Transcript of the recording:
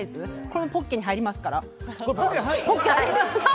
これもポッケに入りますから。